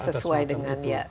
sesuai dengan ya